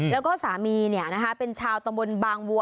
แล้วก็สามีเนี่ยนะคะเป็นชาวตำรวจบางวัว